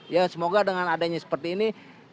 ya semoga dengan adanya seperti ini